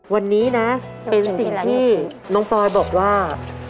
วันนี้นะเป็นสิ่งที่น้องปลอยบอกว่า